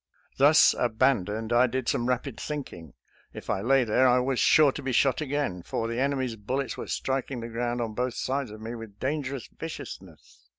Thus abandoned, I did some rapid thinking. If I lay there I was sure to be shot again, for the enemy's bullets were striking the ground on both sides of me with dangerous viciousness.